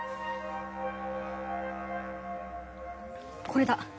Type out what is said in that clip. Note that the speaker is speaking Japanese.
これだ。